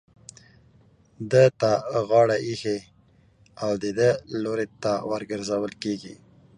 ده ته غاړه ايښې او د ده لوري ته ورگرځول كېږي.